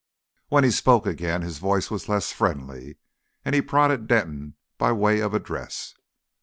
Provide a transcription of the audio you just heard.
When he spoke again his voice was less friendly, and he prodded Denton by way of address.